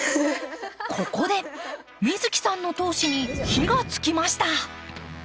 ここで美月さんの闘志に火がつきました。